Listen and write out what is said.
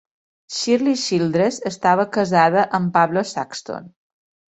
Shirley Childress estava casada amb Pablo Saxton.